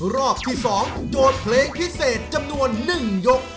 รอบที่๒โจทย์เพลงพิเศษจำนวน๑ยก